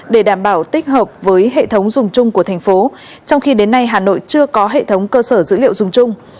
để đảm bảo tích hợp với hệ thống dùng chung của thành phố trong khi đến nay hà nội chưa có hệ thống cơ sở dữ liệu dùng chung